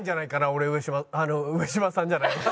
俺上島上島さんじゃないわ。